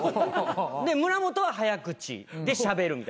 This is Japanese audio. で村本は早口でしゃべる。